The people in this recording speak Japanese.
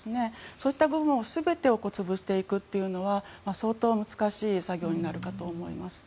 そういった部分を全て潰していくというのは相当難しい作業になるかと思います。